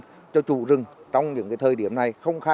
ở khu vực miền trung liên tục xảy ra